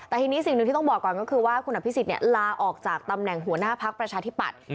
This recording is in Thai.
แต่ทีนี้สิ่งหนึ่งที่ต้องบอกก่อนก็คือว่าคุณอภิษฎลาออกจากตำแหน่งหัวหน้าพักประชาธิปัตย์